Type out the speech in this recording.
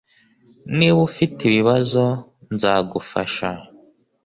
Niba ufite ibibazo nzagufasha